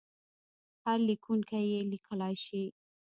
هر لیکونکی یې لیکلای شي.